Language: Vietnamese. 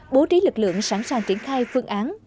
bố trí lực lượng sẵn sàng triển khai phương án